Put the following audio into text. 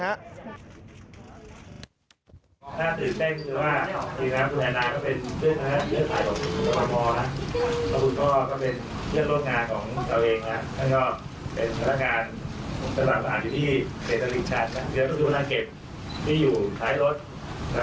สามปีแล้วครับ